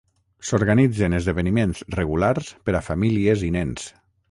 S'organitzen esdeveniments regulars per a famílies i nens.